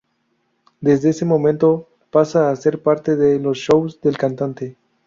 Desde ese momento pasa a hacer parte de los shows del cantante.